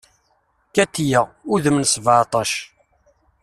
Katiya, udem n sbeɛtac.